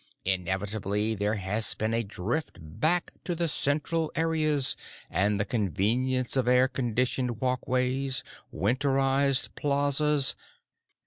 Inevitably there has been a drift back to the central areas and the convenience of air conditioned walkways, winterized plazas...."